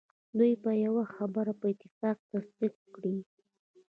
دوی به یوه خبره په اتفاق تصدیق کړي.